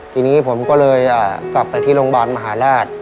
ทีนี้ผมก็เลยกลับไปที่โรงพยาบาลมหาราช